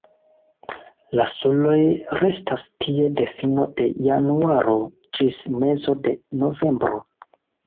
La suloj restas tie de fino de januaro ĝis mezo de novembro.